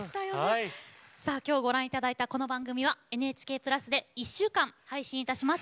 きょうご覧いただいたこの番組はＮＨＫプラスで１週間配信いたします。